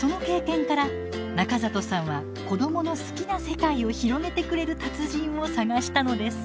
その経験から中里さんは子どもの好きな世界を広げてくれる達人を探したのです。